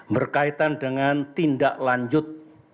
berkaitan dengan tindak lanjut